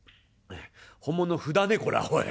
本物の麩だねこらおい。